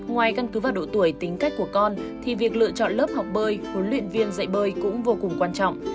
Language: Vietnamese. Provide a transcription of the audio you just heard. ngoài căn cứ vào độ tuổi tính cách của con thì việc lựa chọn lớp học bơi huấn luyện viên dạy bơi cũng vô cùng quan trọng